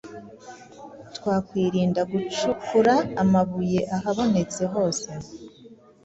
twakwirinda gucukura amabuye ahabonetse hose